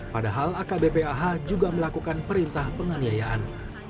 padahal akbp ah juga melakukan perintah penganiayaan